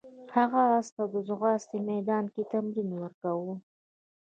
هغه اس ته د ځغاستې میدان کې تمرین ورکاوه.